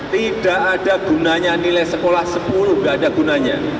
tidak ada gunanya nilai sekolah sepuluh tidak ada gunanya